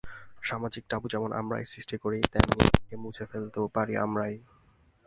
সামাজিক ট্যাবু যেমন আমরাই সৃষ্টি করি, তেমনি একে মুছে ফেলতেও পারি আমরাই।